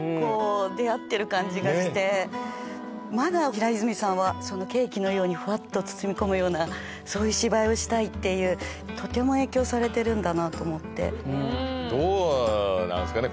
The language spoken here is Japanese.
まだ平泉さんはケーキのようにふわっと包み込むようなそういう芝居をしたいっていうとても影響されてるんだなと思ってどうなんすかね？